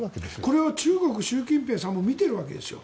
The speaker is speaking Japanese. これは中国、習近平さんも見ているわけですよ